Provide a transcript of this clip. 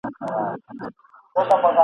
زه د پېړیو ګیله منو پرهارونو آواز ..